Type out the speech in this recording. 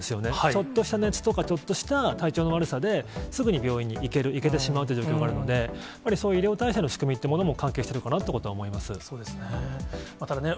ちょっとした熱とか、ちょっとした体調の悪さで、すぐに病院に行ける、行けてしまうという状況もあるので、やっぱりそういう医療体制の仕組みというものも関係してるかなとそうですね。